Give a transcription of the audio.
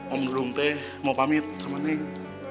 om dudung teh mau pamit sama neng